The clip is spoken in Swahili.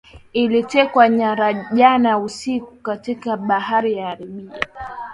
ilitekwa nyara jana usiku katika bahari ya arabia